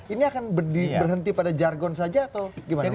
ini akan berhenti pada jargon saja atau gimana